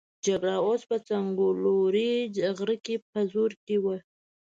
جګړه اوس په څنګلوري غره کې په زور کې وه.